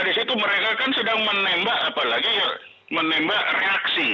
di situ mereka kan sedang menembak apalagi menembak reaksi